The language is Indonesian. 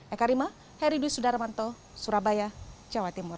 eka rima heri dwi sudarmanto surabaya jawa timur